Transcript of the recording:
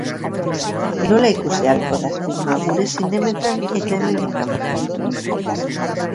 Nola ikusi ahalko da filma gure zinemetan eta hemendik kanpo?